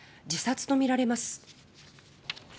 自殺とみられます。